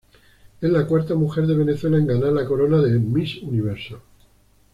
Es la cuarta mujer de Venezuela en ganar la corona del Miss Universo.